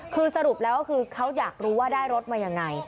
คือสรุปแล้วก็คือเขาอยากรู้ว่าได้รถมายังไง